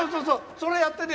それやってね